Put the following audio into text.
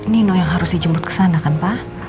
nino yang harus dijemput kesana kan pak